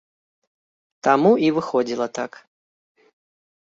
Таму і выходзіла так.